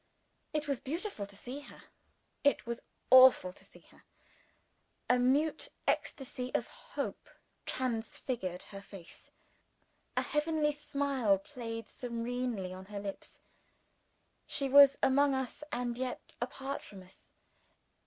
It was beautiful to see her. It was awful to see her. A mute ecstasy of hope transfigured her face; a heavenly smile played serenely on her lips. She was among us, and yet apart from us.